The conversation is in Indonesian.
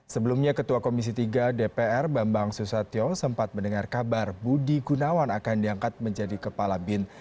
sebelumnya ketua komisi tiga dpr bambang susatyo sempat mendengar kabar budi gunawan akan diangkat menjadi kepala bin